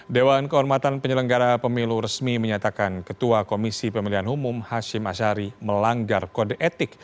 dewan kehormatan penyelenggara pemilu resmi menyatakan ketua komisi pemilihan umum hashim ashari melanggar kode etik